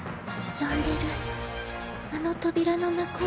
呼んでるあの扉の向こう。